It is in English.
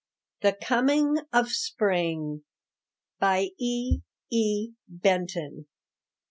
THE COMING OF SPRING. E. E. BENTON.